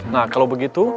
nah kalau begitu